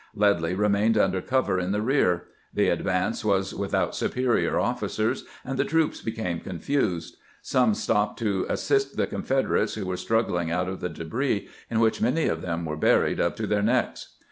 Ledlie remained under cover in the rear ; the advance was with out superior officers, and the troops became confused. Some stopped to assist the Confederates who were strug gling out of the debris, in which many of them were buried up to their necks.